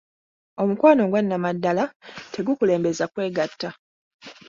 Omukwano ogwanamaddala tegukulembeza kwegatta.